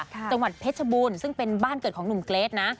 จังหวัดเพชรบูรณ์ซึ่งเป็นบ้านเกิดของหนุ่มเกรทนะ